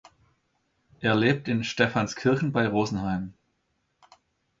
Er lebt in Stephanskirchen bei Rosenheim.